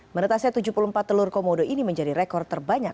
menetasnya tujuh puluh empat telur komodo ini menjadi rekor terbanyak